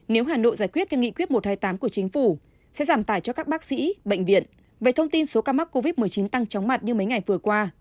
nếu hà nội giải quyết theo nghị quyết một trăm hai mươi tám của chính phủ sẽ giảm tải cho các bác sĩ bệnh viện về thông tin số ca mắc covid một mươi chín tăng chóng mặt như mấy ngày vừa qua